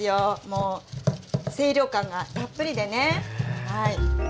もう清涼感がたっぷりでね。